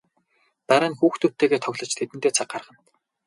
Дараа нь хүүхдүүдтэйгээ тоглож тэдэндээ цаг гаргадаг.